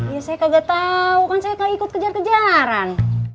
ya saya kagak tahu kan saya gak ikut kejar kejaran